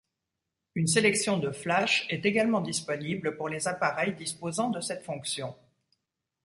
Une sélection de flashs est également disponible pour les appareils disposant de cette fonction.